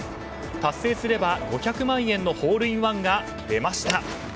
達成すれば５００万円のホールインワンが出ました。